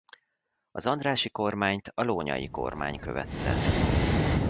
Az Andrássy-kormányt a Lónyay-kormány követte.